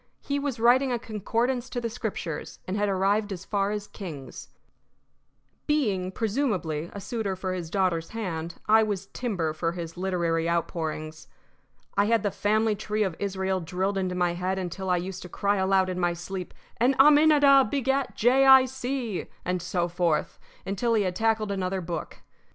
He was writing a concordance to the Scriptures, and had arrived as far as Kings. Being, presumably, a suitor for his daughter's hand, I was timber for his literary outpourings. I had the family tree of Israel drilled into my head until I used to cry aloud in my sleep: "And Aminadab begat Jay Eye See," and so forth, until he had tackled another book.